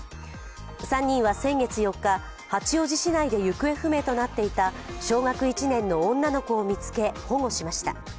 ３人は先月４日、八王子市内で行方不明になっていた小学１年の女の子を見つけ保護しました。